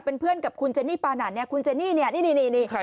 เป็นเพื่อนกับคุณเจนี่ปานันเนี่ยคุณเจนี่เนี่ยนี่